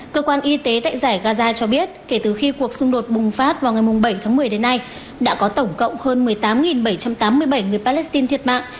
cơ quan y tế tại giải gaza cho biết kể từ khi cuộc xung đột bùng phát vào ngày bảy tháng một mươi đến nay đã có tổng cộng hơn một mươi tám bảy trăm tám mươi bảy người palestine thiệt mạng